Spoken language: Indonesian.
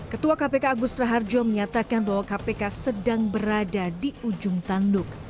ketua kpk agus raharjo menyatakan bahwa kpk sedang berada di ujung tanduk